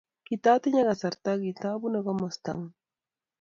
Katatatinye kasarta, katabune komasta ngung